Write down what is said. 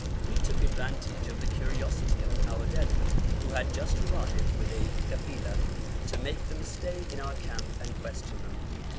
We took advantage of the curiosity of the Aòdeli, who had just arrived with a kafila, to make them stay in our camp and question them.